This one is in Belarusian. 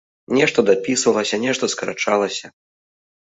Нешта дапісвалася, нешта скарачалася.